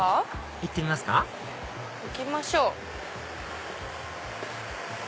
行ってみますか行きましょう。